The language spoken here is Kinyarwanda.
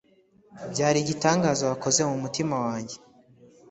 Byari igitangaza Wakoze mumutima wanjye